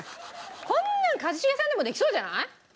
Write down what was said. こんなの一茂さんでもできそうじゃない？